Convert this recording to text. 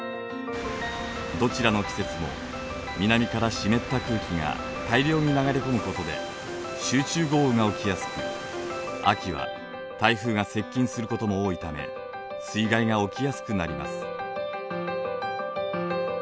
どちらの季節も南から湿った空気が大量に流れ込むことで集中豪雨が起きやすく秋は台風が接近することも多いため水害が起きやすくなります。